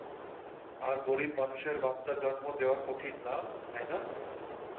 আর গরিব মানুষের জন্য বাচ্চা জন্ম দেওয়া কঠিন না, তাই না?